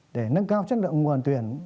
để nâng cao chất lượng nguồn tuyển